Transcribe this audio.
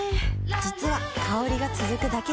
実は香りが続くだけじゃない